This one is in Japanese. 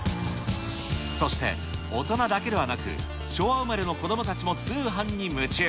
そして大人だけではなく、昭和生まれの子どもたちも通販に夢中。